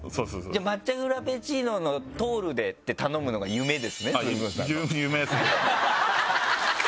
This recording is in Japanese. じゃあ「抹茶フラペチーノのトールで」って頼むのが夢ですね崇勲さんの。